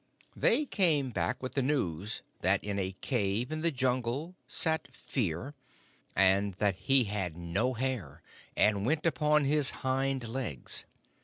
They came back with the news that in a cave in the Jungle sat Fear, and that he had no hair, and went upon his hind legs.